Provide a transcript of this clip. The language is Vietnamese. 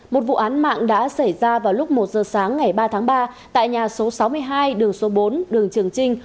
một vụ án mạng đã xảy ra vào lúc một giờ sáng ngày ba tháng ba tại nhà số sáu mươi hai đường số bốn đường trường trinh